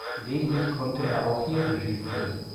Gelegentlich konnte er auch hier Regie führen.